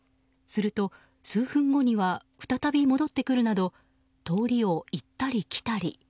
すると、数分後には再び戻ってくるなど通りを行ったり来たり。